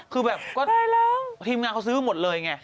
คือแบบก็ทีมงานเขาซื้อหมดเลยไง